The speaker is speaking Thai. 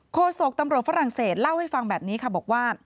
โศกตำรวจฝรั่งเศสเล่าให้ฟังแบบนี้ค่ะบอกว่า